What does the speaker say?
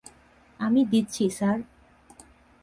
আমি দিচ্ছি, স্যার।